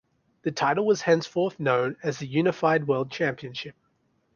The title was henceforth known as the Unified World Championship.